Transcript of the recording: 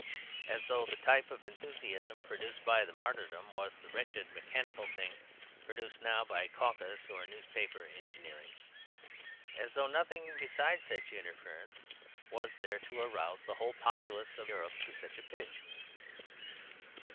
As though the type of enthusiasm produced by the martyrdom was the wretched mechanical thing produced now by caucus or newspaper "engineering!" As though nothing besides such interferences was there to arouse the whole populace of Europe to such a pitch!